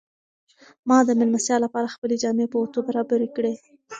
ما د مېلمستیا لپاره خپلې جامې په اوتو برابرې کړې.